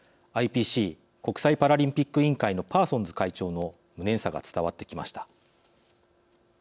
ＩＰＣ＝国際パラリンピック委員会のパーソンズ会長の無念さが伝わってきました。